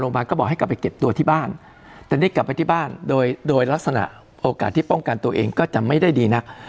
ก็บอกให้กลับไปเก็บตัวที่บ้านแต่นี่กลับไปที่บ้านโดยโดยลักษณะโอกาสที่ป้องกันตัวเองก็จะไม่ได้ดีนัก